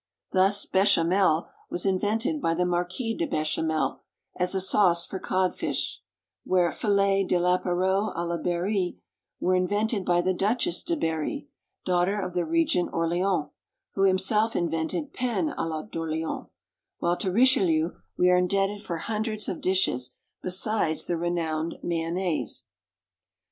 Thus Bechamel was invented by the Marquis de Bechamel, as a sauce for codfish; while Filets de Lapereau à la Berry were invented by the Duchess de Berry, daughter of the regent Orleans, who himself invented Pain à la d'Orleans, while to Richelieu we are indebted for hundreds of dishes besides the renowned mayonnaise.